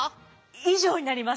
以上になります。